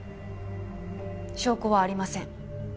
証拠はありません。